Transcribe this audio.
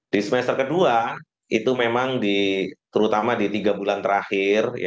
di semester kedua itu memang terutama di tiga bulan terakhir